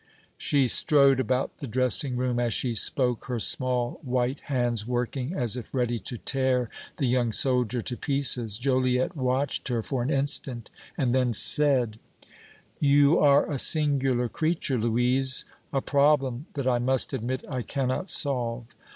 She strode about the dressing room as she spoke, her small, white hands working as if ready to tear the young soldier to pieces. Joliette watched her for an instant and then said: "You are a singular creature, Louise, a problem that I must admit I cannot solve.